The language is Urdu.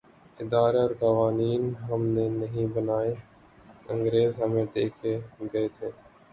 ادارے اورقوانین ہم نے نہیں بنائے‘ انگریز ہمیں دے کے گئے تھے۔